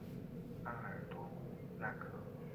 阿克多武拉克。